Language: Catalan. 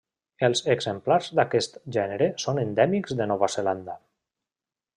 Els exemplars d'aquest gènere són endèmics de Nova Zelanda.